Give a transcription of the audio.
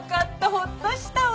ホッとしたわ。